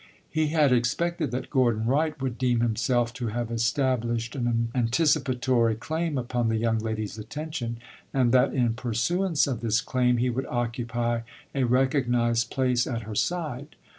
He had expected that Gordon Wright would deem himself to have established an anticipatory claim upon the young lady's attention, and that, in pursuance of this claim, he would occupy a recognized place at her side.